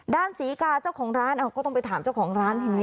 ศรีกาเจ้าของร้านก็ต้องไปถามเจ้าของร้านทีนี้